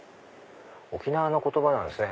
沖縄の言葉なんですね